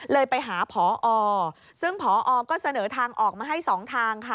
ไปหาพอซึ่งพอก็เสนอทางออกมาให้สองทางค่ะ